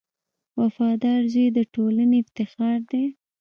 • وفادار زوی د ټولنې افتخار دی.